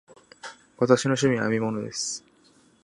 私の趣味は編み物です。